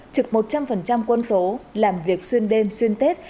trực một trăm linh quân số làm việc xuyên đêm xuyên tết